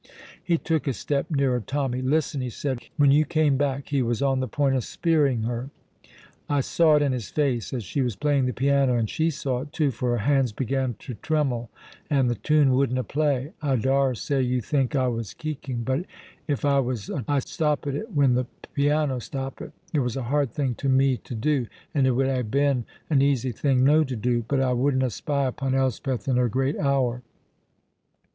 He took a step nearer Tommy. "Listen," he said. "When you came back he was on the point o' speiring her; I saw it in his face as she was playing the piano, and she saw it, too, for her hands began to trem'le and the tune wouldna play. I daursay you think I was keeking, but if I was I stoppit it when the piano stoppit; it was a hard thing to me to do, and it would hae been an easy thing no to do, but I wouldna spy upon Elspeth in her great hour."